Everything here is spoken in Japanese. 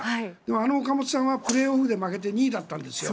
あの岡本さんはプレーオフで負けて２位だったんです。